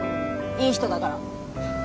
いい人だから。